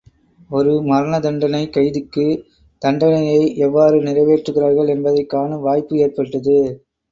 ஒரு மரண தண்டனைக் கைதிக்கு தண்டனையை எவ்வாறு நிறைவேற்றுகிறார்கள் என்பதைக் காணும் வாய்ப்பு ஏற்பட்டது.